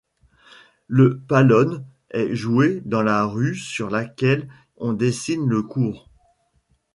Le Pallone est joué dans la rue sur laquelle on dessine le court.